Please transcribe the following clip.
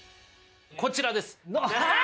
こちらです。